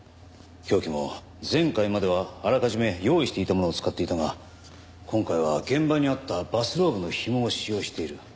凶器も前回まではあらかじめ用意していたものを使っていたが今回は現場にあったバスローブの紐を使用している。